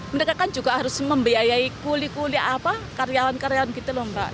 mereka kan juga harus membiayai kuli kuli karyawan karyawan gitu loh mbak